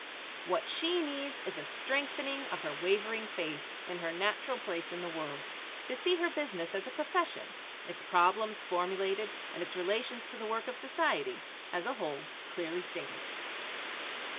What she needs is a strengthening of her wavering faith in her natural place in the world, to see her business as a profession, its problems formulated and its relations to the work of society, as a whole, clearly stated.